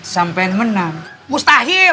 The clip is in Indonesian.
sampean menang mustahil